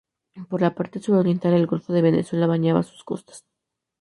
Por la parte suroriental el Golfo de Venezuela bañaba sus costas.